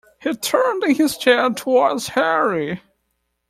He turned in his chair towards Harry.